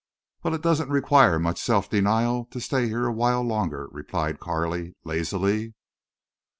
"Well, it doesn't require much self denial to stay here awhile longer," replied Carley, lazily.